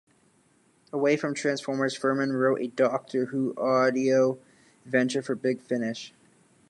Away from Transformers, Furman wrote a Doctor Who audio adventure for Big Finish.